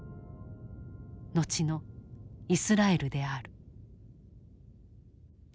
後のイスラエルである。